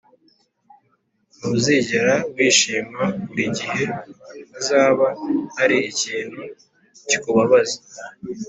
ntuzigera wishima Buri gihe hazaba hari ikintu kikubabaza